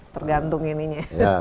tergantung ini ya